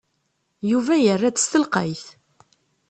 Yuba yerra-d s telqayt.